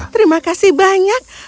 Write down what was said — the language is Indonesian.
terima kasih banyak